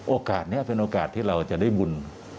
โอกาสนี้เป็นโอกาสที่เราจะได้บุญ